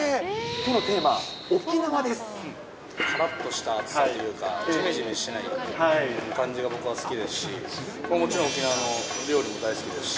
きょうのテーマ、からっとした暑さというか、じめじめしてない感じが僕は好きですし、もちろん、沖縄の料理も大好きですし。